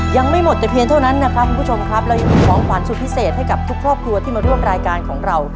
ยังไม่หมดแต่เพียงเท่านั้นนะครับคุณผู้ชมครับเรายังมีของขวัญสุดพิเศษให้กับทุกครอบครัวที่มาร่วมรายการของเรา